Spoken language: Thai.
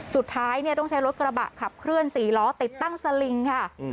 สุดท้ายต้องใช้รถกระบะขับเคลื่อน๔ล้อติดตั้งสลิงค่ะ